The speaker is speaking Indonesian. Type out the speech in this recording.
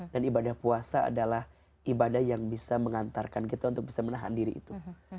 dan ibadah puasa adalah ibadah yang bisa mengantarkan kita untuk bisa menahan diri itu